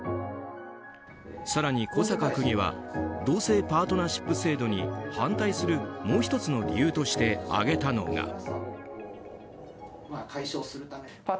更に、小坂区議は同性パートナーシップ制度に反対するもう１つの理由として挙げたのが。